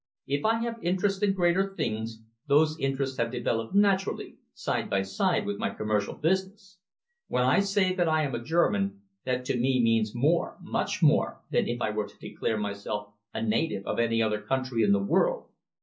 If I have interests in greater things, those interests have developed naturally, side by side with my commercial success. When I say that I am a German, that to me means more, much more, than if I were to declare myself a native of any other country in the world.